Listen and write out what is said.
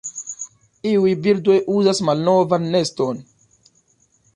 Iuj birdoj uzas malnovan neston.